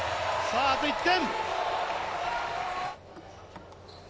あと１点。